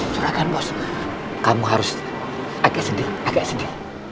curahkan bos kamu harus agak sedih